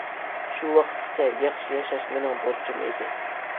شۇ ۋاقىتقىچە ياخشى ياشاش مېنىڭ بۇرچۇم ئىدى.